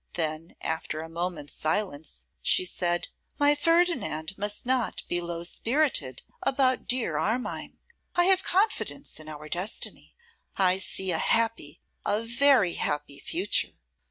Then, after a moment's silence, she said, 'My Ferdinand must not be low spirited about dear Armine. I have confidence in our destiny; I see a happy, a very happy future.